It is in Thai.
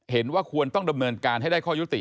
เห็นว่าควรต้องดำเนินการให้ได้ข้อยุติ